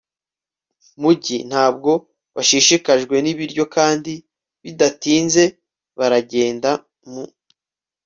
mujyi, ntabwo bashishikajwe n'ibiryo kandi bidatinze baragenda. mu